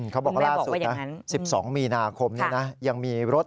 เขาบอกว่าร่าสุด๑๒มีนาคมยังมีรถ